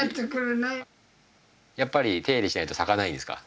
やっぱり手入れしないと咲かないですか？